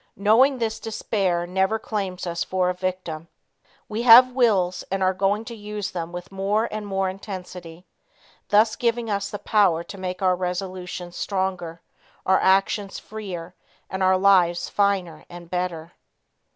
Knowing this despair never claims us for a victim. We have wills and are going to use them with more and more intensity, thus giving us the power to make our resolutions stronger, our actions freer and our lives finer and better.